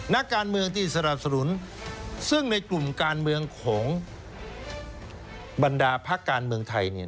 นักการเมืองที่สนับสนุนซึ่งในกลุ่มการเมืองของบรรดาพักการเมืองไทย